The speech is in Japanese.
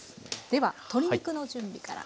では鶏肉の準備から。